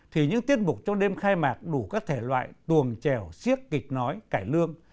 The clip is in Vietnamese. thì những tiết mục trong đêm khai mạc đủ các thể loại tuồng trèo siết kịch nói cải lương